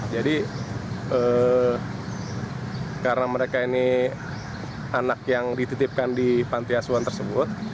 jadi karena mereka ini anak yang dititipkan di panti asuhan tersebut